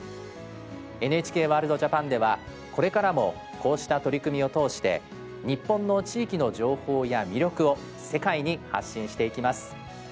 ＮＨＫワールドＪＡＰＡＮではこれからもこうした取り組みを通して日本の地域の情報や魅力を世界に発信していきます。